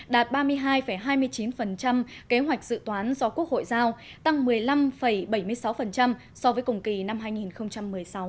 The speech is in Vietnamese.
đạt ba mươi hai hai mươi chín kế hoạch dự toán do quốc hội giao tăng một mươi năm bảy mươi sáu so với cùng kỳ năm hai nghìn một mươi sáu